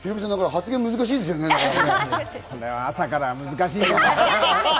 発言難しいですね、ヒロミさ朝から難しいね。